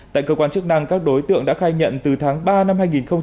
tại cơ quan chức năng các đối tượng đã khai nhận từ tháng ba năm hai nghìn hai mươi